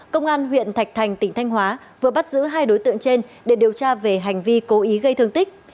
công an huyện thạch thành tỉnh thanh hóa vừa bắt giữ hai đối tượng trên để điều tra về hành vi cố ý gây thương tích